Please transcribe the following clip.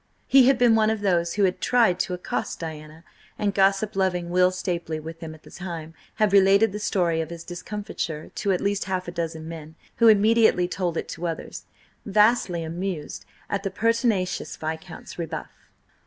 He had been one of those who had tried to accost Diana, and gossip loving Will Stapely, with him at the time, had related the story of his discomfiture to at least half a dozen men, who immediately told it to others, vastly amused at the pertinacious Viscount's rebuff.